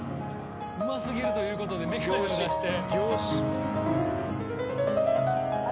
うますぎるということで眼鏡を出して。